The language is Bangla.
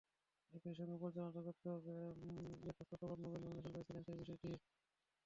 একই সঙ্গে পর্যালোচনা করতে হবে ইয়েটস কতবার নোবেল নমিনেশন পেয়েছিলেন সেই বিষয়টি।